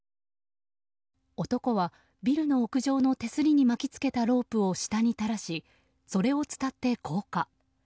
男は、ビルの屋上の手すりに巻き付けたロープを下に垂らし、それを伝って降下。